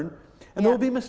dan ada kesalahan tentu saja